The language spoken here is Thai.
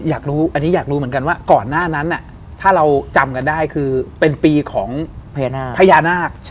อยากรู้อันนี้อยากรู้เหมือนกันว่าก่อนหน้านั้นถ้าเราจำกันได้คือเป็นปีของพญานาค